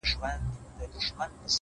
په يبلو پښو روان سو،